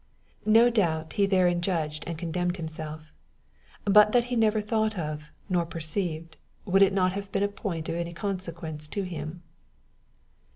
No doubt, he therein judged and condemned himself, but that he never thought of nor, perceived, would it have been a point of any consequence to him.